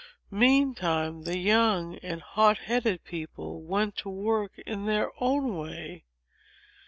Meantime, the young and hot headed people went to work in their own way.